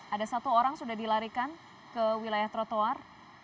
ada satu orang sudah dilarikan ke wilayah trotoar